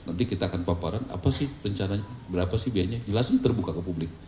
nanti kita akan paparan apa sih rencananya berapa sih biayanya jelas ini terbuka ke publik